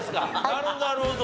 なるほどなるほど。